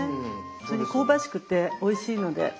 それに香ばしくておいしいので。